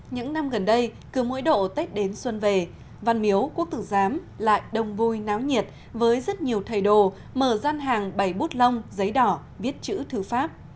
những năm gần đây cứ mỗi độ tết đến xuân về văn miếu quốc tử giám lại đông vui náo nhiệt với rất nhiều thầy đồ mở gian hàng bày bút lông giấy đỏ viết chữ thư pháp